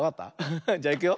じゃいくよ。